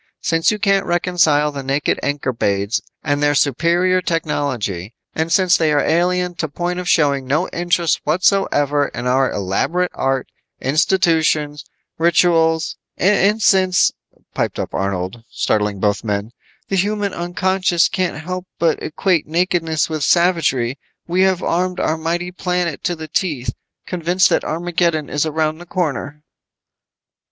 Since you can't reconcile the naked Ankorbades and their superior technology, and since they are alien to point of showing no interest whatsoever in our elaborate art, institutions, rituals " "And since," piped up Arnold, startling both men, "the human unconscious can't help but equate nakedness with savagery, we have armed our mighty planet to the teeth, convinced that Armageddon is around the corner."